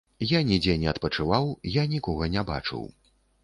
Я нідзе не адпачываў, я нікога не бачыў.